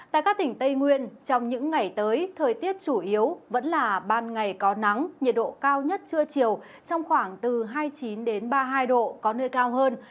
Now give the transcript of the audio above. tại các tỉnh tây nguyên trong những ngày tới thời tiết chủ yếu vẫn là ban ngày có nắng nhiệt độ cao nhất trưa chiều trong khoảng từ hai mươi chín ba mươi hai độ có nơi cao hơn